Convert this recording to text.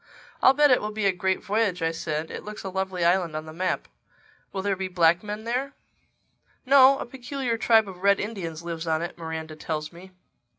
"I'll bet it will be a great voyage," I said. "It looks a lovely island on the map. Will there be black men there?" "No. A peculiar tribe of Red Indians lives on it, Miranda tells me."